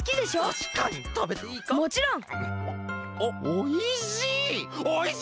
おおいしい！